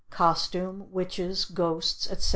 Costume, Witches, Ghosts, etc.